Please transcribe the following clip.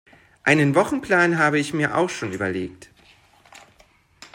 Einen Wochenplan habe ich mir auch schon überlegt